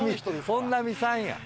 本並さんや。